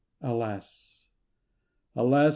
Alas! alas!